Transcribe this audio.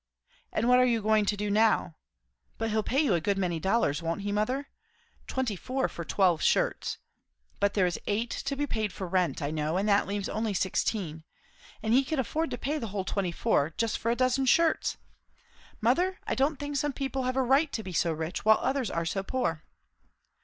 "And what are you going to do now? But he'll pay you a good many dollars, won't he, mother? Twenty four, for twelve shirts. But there is eight to be paid for rent, I know, and that leaves only sixteen. And he can afford to pay the whole twenty four, just for a dozen shirts! Mother, I don't think some people have a right to be so rich, while others are so poor."